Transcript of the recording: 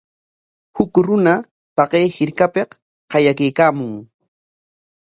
Huk runa taqay hirkapik qayakaykaamun.